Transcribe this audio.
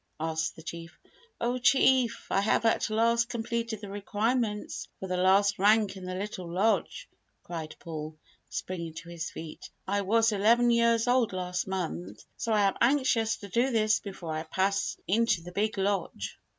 asked the Chief. "Oh Chief! I have at last completed the requirements for the last rank in the Little Lodge," cried Paul, springing to his feet. "I was eleven years old last month, so I am anxious to do this before I pass into the Big Lodge."